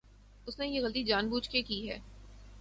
اس نے یہ غلطی جان بوجھ کے کی ہے۔